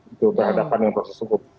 untuk berhadapan dengan proses hukum